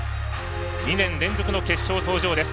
２年連続の決勝登場です。